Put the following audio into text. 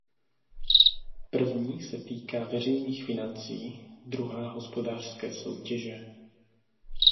První se týká veřejných financí, druhá hospodářské soutěže.